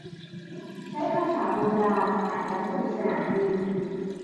ใช้ภาษาโบราณ อ่านแล้วสนุกสนานดี